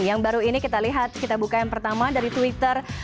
yang baru ini kita lihat kita buka yang pertama dari twitter